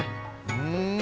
うん！